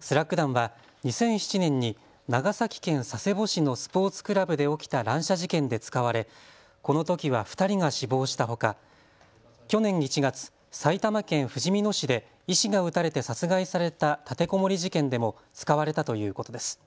スラッグ弾は２００７年に長崎県佐世保市のスポーツクラブで起きた乱射事件で使われこのときは２人が死亡したほか、去年１月、埼玉県ふじみ野市で医師が撃たれて殺害された立てこもり事件でも使われたということです。